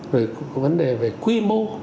rồi vấn đề về quy mô